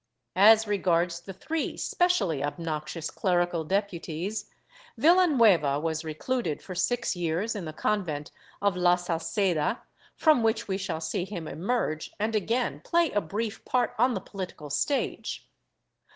^ As regards the three specially obnoxious clerical deputies, Villanueva was recluded for six years in the convent of la Salceda, from which we shall see him emerge and again play a brief part on the political stage.